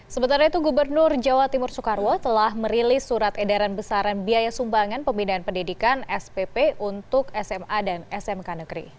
sementara itu gubernur jawa timur soekarwo telah merilis surat edaran besaran biaya sumbangan pembinaan pendidikan spp untuk sma dan smk negeri